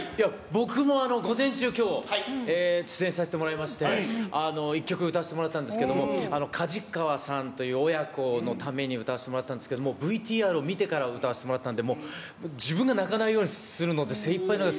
僕も午前中、きょう、出演させてもらいまして、１曲歌わせてもらったんですけど、かじかわさんという親子のために歌わせてもらったんですけど、ＶＴＲを見てから歌わせてもらったんで、自分が泣かないようにするので、精いっぱいで。